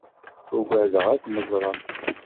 Ugadeɣ ad kem-ẓreɣ.